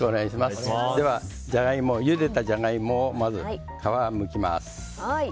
では、ゆでたジャガイモのまず皮をむきます。